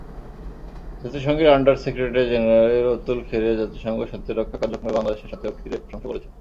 জাতিসংঘের under secretary general Atul Khare জাতিসংঘ শান্তিরক্ষা কার্যক্রমে বাংলাদেশের শান্তিরক্ষীদের প্রশংসা করেছেন।